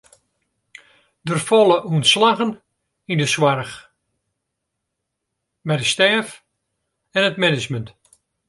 Der falle ûntslaggen yn de soarch, by de stêf en it management.